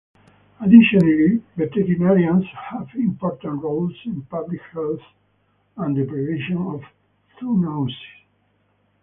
Additionally veterinarians have important roles in public health and the prevention of zoonoses.